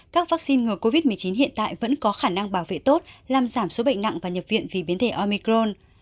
các vaccine ngừa covid một mươi chín hiện tại vẫn có khả năng bảo vệ tốt làm giảm số bệnh nặng và nhập viện vì biến thể omicron